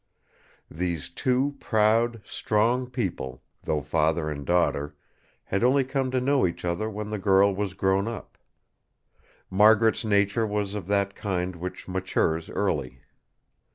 These two proud, strong people, though father and daughter, had only come to know each other when the girl was grown up. Margaret's nature was of that kind which matures early.